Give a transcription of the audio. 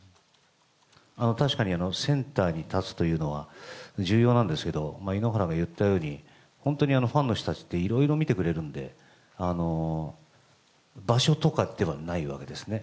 確かにセンターに立つというのは、重要なんですけれども、井ノ原が言ったように、本当にファンの人たちっていろいろ見てくれるんで、場所とかではないわけですね。